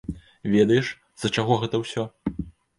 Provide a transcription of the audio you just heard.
Ведаеш, з-за чаго гэта ўсё?